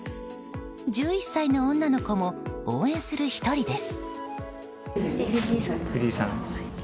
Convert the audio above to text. １１歳の女の子も応援する１人です。